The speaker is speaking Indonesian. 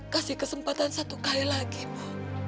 kasih kesempatan satu kali lagi mau